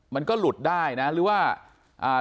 มันก็หลุดได้นะหรือว่าอ่า